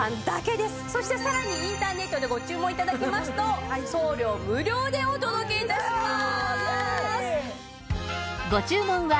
そしてさらにインターネットでご注文頂きますと送料無料でお届け致します！